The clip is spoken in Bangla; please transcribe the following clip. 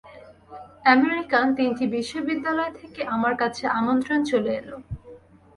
আমেরিকান তিনটি বিশ্ববিদ্যালয় থেকে আমার কাছে আমন্ত্রণ চলে এল।